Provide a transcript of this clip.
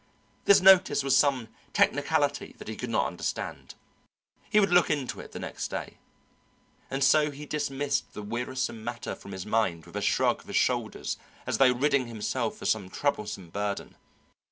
This notice was some technicality that he could not understand. He would look into it the next day. And so he dismissed the wearisome matter from his mind with a shrug of his shoulders as though ridding himself of some troublesome burden.